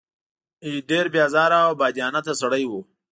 ډېر بې آزاره او بادیانته سړی و.